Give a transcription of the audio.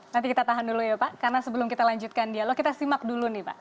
nanti kita tahan dulu ya pak karena sebelum kita lanjutkan dialog kita simak dulu nih pak